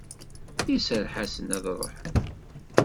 Iserreḥ-asen ad ruḥen.